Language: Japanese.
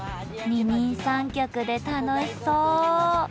二人三脚で楽しそ。